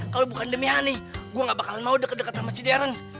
kalo bukan demi hani gue gak bakal mau deket deket sama si deren